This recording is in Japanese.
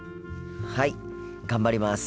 はい頑張ります。